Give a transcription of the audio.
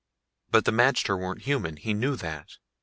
But the magter weren't human, he knew that.